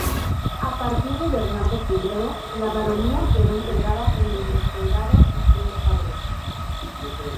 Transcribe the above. A partir de Bernardo I, la baronía quedó integrada en el vizcondado de Cabrera.